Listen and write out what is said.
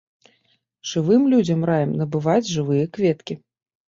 Жывым людзям раім набываць жывыя кветкі.